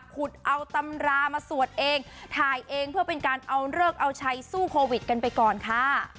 ขุดเอาตำรามาสวดเองถ่ายเองเพื่อเป็นการเอาเลิกเอาใช้สู้โควิดกันไปก่อนค่ะ